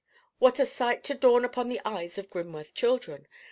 What a sight to dawn upon the eyes of Grimworth children!